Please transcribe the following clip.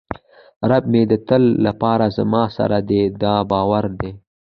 رب مې د تل لپاره زما سره دی دا باور دی.